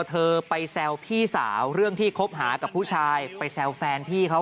เธอไปแซวพี่สาวเรื่องที่คบหากับผู้ชายไปแซวแฟนพี่เขา